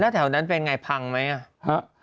แถวนั้นเป็นไงพังไหมอ่ะ